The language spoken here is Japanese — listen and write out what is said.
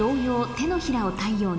『手のひらを太陽に』